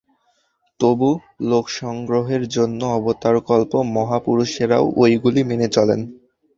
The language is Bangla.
তবু লোকসংগ্রহের জন্য অবতারকল্প মহা- পুরুষেরাও ঐগুলি মেনে চলেন।